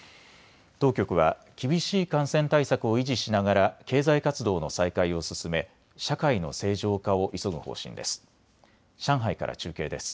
当局は厳しい感染対策を維持しながら経済活動の再開を進め社会の正常化を急ぐ方針です。